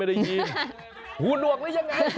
ดวกไว้ยังไง